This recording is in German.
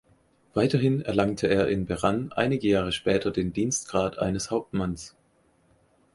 Weiterhin erlangte er in Berane einige Jahre später den Dienstgrad eines Hauptmanns.